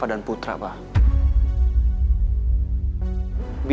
ada banyak main main lebih